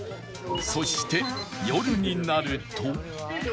そして夜になると